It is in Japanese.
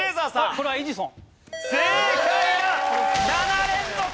これはエジソン。